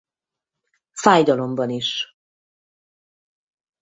Fájdalomban is.